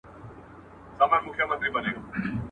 رشتيا خبري يا مست کوي، يا لېونى.